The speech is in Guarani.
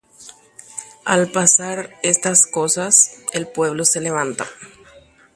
Ojehúvo ko'ã mba'e tetãygua opu'ã.